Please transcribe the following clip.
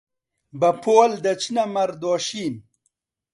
بەپۆل دەچنە مەڕدۆشین